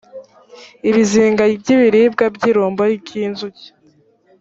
ibizinga by ibiribwa iby’ irumbo ry inzuki.